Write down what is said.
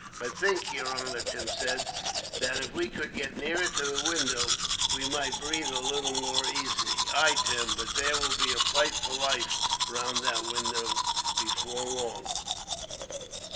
"I think, yer honor," Tim said, "that if we could get nearer to the window, we might breathe a little more easily." "Ay, Tim; but there will be a fight for life round that window, before long.